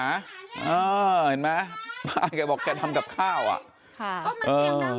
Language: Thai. อ่าเห็นมั้ยป้าแกบอกแกทำกับข้าวอ่ะ